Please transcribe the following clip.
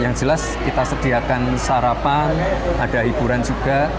yang jelas kita sediakan sarapan ada hiburan juga